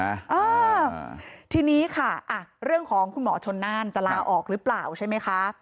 อ่าทีนี้ค่ะอ่ะเรื่องของคุณหมอชนน่านจะลาออกหรือเปล่าใช่ไหมคะ